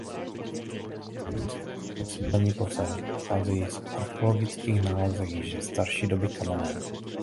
První svědkové osídlení pocházejí v archeologických nálezech již ze starší doby kamenné.